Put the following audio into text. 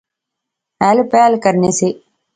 ہل پہل کرنے سے